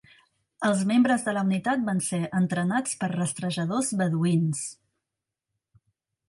Els membres de la unitat van ser entrenats per rastrejadors beduïns.